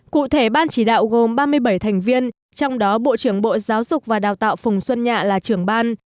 cụ thể ban chỉ đạo gồm ba mươi bảy thành viên trong đó bộ trưởng bộ giáo dục và đào tạo phùng xuân nhạ là trưởng ban